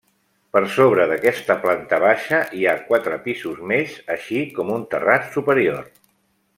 Per sobre d'aquesta planta baixa hi ha quatre pisos més, així com un terrat superior.